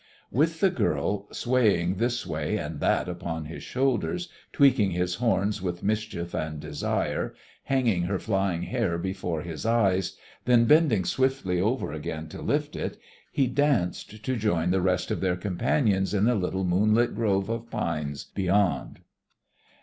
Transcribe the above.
With the girl swaying this way and that upon his shoulders, tweaking his horns with mischief and desire, hanging her flying hair before his eyes, then bending swiftly over again to lift it, he danced to join the rest of their companions in the little moonlit grove of pines beyond....